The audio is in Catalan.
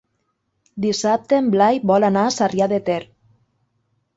Dissabte en Blai vol anar a Sarrià de Ter.